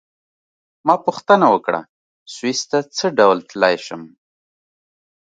ما پوښتنه وکړه: سویس ته څه ډول تلای شم؟